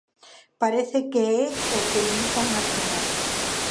Parece que é o que indican as imaxes.